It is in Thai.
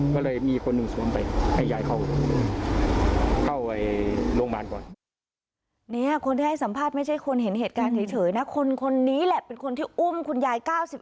ก็เลยมีคนหนึ่งสวมไปให้ยายเข้า